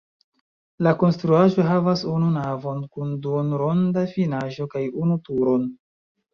La konstruaĵo havas unu navon kun duonronda finaĵo kaj unu turon.